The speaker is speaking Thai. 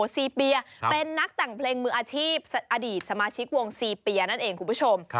ซีเปียเป็นนักแต่งเพลงมืออาชีพอดีตสมาชิกวงซีเปียนั่นเองคุณผู้ชม